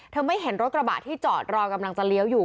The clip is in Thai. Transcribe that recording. ไม่เห็นรถกระบะที่จอดรอกำลังจะเลี้ยวอยู่